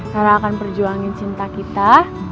lara akan berjuangin cinta kita